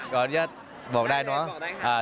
ก่อนจะบอกได้เนอะบอกได้ครับ